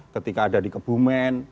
ketika ada di kebumen